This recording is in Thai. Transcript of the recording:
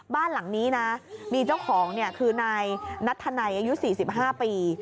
บ้านหลังนี้นะมีเจ้าของคือนายนัทธนัยอายุ๔๕ปี